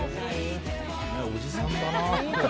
おじさんだなあ。